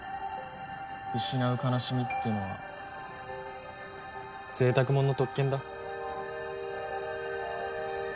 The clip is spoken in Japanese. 失う悲しみってのは贅沢もんの特権だ。